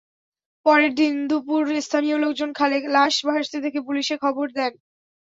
পরের দিনদুপুরে স্থানীয় লোকজন খালে লাশ ভাসতে দেখে পুলিশে খবর দেন।